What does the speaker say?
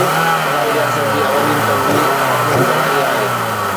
فلاحي رياست جي اولين ترجيح عوام جي ڀلائي آهي